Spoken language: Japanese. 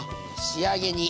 仕上げに。